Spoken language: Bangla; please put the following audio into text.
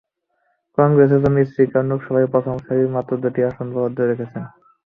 কংগ্রেসের জন্য স্পিকার লোকসভার প্রথম সারির মাত্র দুটি আসন বরাদ্দ করেছেন।